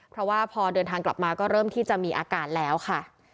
เพราะว่าพอเดินทางกลับมาก็เริ่มที่จะมีอาการแล้วค่ะ